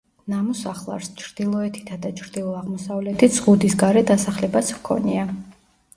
ნამოსახლარს, ჩრდილოეთითა და ჩრდილო-აღმოსავლეთით, ზღუდის გარე დასახლებაც ჰქონია.